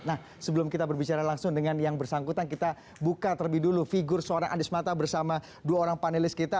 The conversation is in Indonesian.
nah sebelum kita berbicara langsung dengan yang bersangkutan kita buka terlebih dulu figur seorang anies mata bersama dua orang panelis kita